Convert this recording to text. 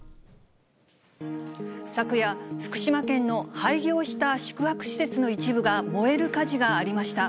昨夜、福島県の廃業した宿泊施設の一部が燃える火事がありました。